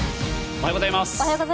おはようございます。